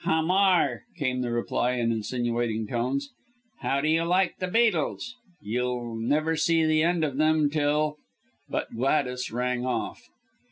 "Hamar," came the reply, in insinuating tones. "How do you like the beetles? You'll never see the end of them till " But Gladys rang off.